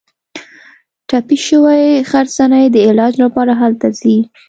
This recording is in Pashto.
ټپي شوې غرڅنۍ د علاج لپاره هلته ځي.